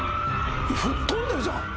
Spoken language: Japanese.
吹っ飛んでるじゃん